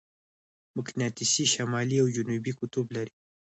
مقناطیس شمالي او جنوبي قطب لري.